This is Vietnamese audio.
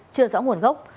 chưa rõ nguồn gốc